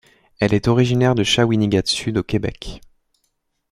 Elle est originaire de Shawinigan-Sud au Québec.